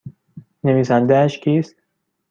نویسندهاش کیست؟